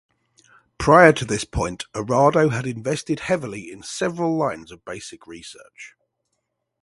Prior to this point, Arado had invested heavily in several lines of basic research.